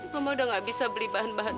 mama udah gak bisa beli bahan bahan